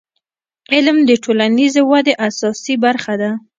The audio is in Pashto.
• علم د ټولنیزې ودې اساسي برخه ده.